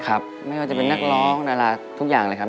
ไม่ว่าจะเป็นนักร้องดาราทุกอย่างเลยครับ